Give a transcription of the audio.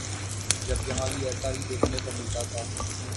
جب یہاں بھی ایسا ہی دیکھنے کو ملتا تھا۔